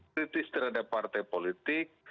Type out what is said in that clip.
kritis terhadap partai politik